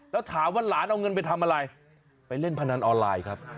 แล้วถามว่าหลานเอาเงินไปทำอะไรไปเล่นพนันออนไลน์ครับ